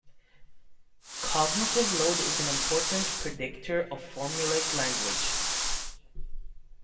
Cognitive load is an important predictor of formulaic language.